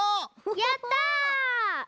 やった！